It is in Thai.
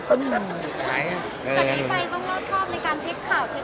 แต่ที่ไปต้องรอบในการเช็คข่าวเช็คอะไรดี